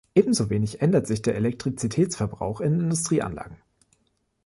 Ebenso wenig ändert sich der Elektrizitätsverbrauch in Industrieanlagen.